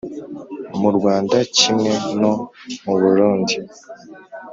mu rwanda kimwe no mu burundi,